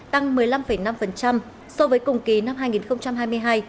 tăng một mươi năm năm so với cùng kỳ năm hai nghìn hai mươi hai